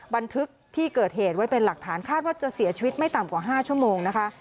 บันทึกที่เกิดเหตุไว้เป็นหลักฐานคาดว่าจะเสียชีวิตไม่ต่ำกว่า๕ชั่วโมงนะคะ